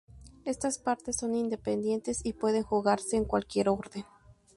Estas partes son independientes y pueden jugarse en cualquier orden.